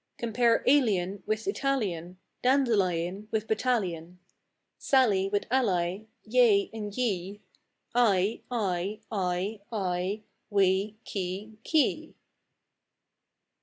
Compare alien with Italian, Dandelion with battalion, Sally with ally; yea, ye, Eye, I, ay, aye, whey, key, quay!